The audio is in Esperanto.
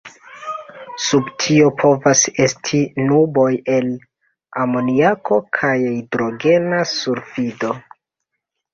Sub tio, povas esti nuboj el amoniako kaj hidrogena sulfido.